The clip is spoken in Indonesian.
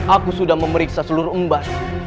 aku sudah memeriksa seluruh embas